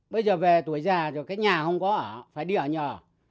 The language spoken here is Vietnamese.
bây giờ về tuổi già rồi cái nhà không có ở phải đi ở nhờ